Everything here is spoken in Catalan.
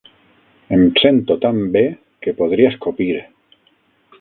Em sento tan bé que podria escopir.